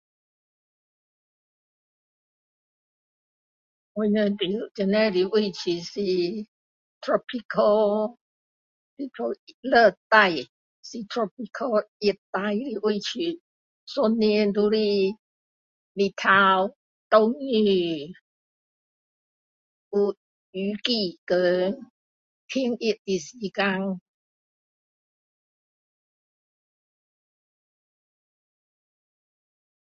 我们住这里的地方是 tropical tropical 热带是 tropical 热带的地方一年都是太阳下雨有雨季和天热的时间